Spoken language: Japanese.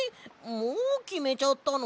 もうきめちゃったの？